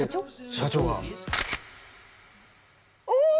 社長がおお！